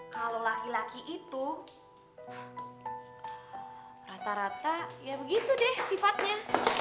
kalau laki laki itu rata rata ya begitu deh sifatnya